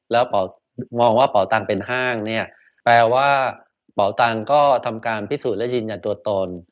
แล้วมองว่าเป่าตังเป็นห้างเนี่ยแปลว่าเป่าตังค์ก็ทำการพิสูจน์และยืนยันตัวตน